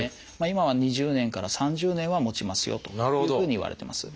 今は２０年から３０年はもちますよというふうにいわれてます。